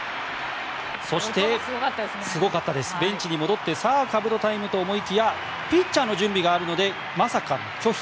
そして、ベンチに戻ってさあ、かぶとタイムかと思いきやピッチャーの準備があるのでまさかの拒否。